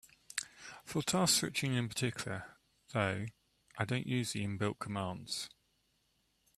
For task switching in particular, though, I don't use the built-in commands.